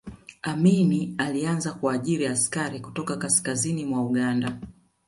amin alianza kuajiri askari kutoka kaskazini mwa uganda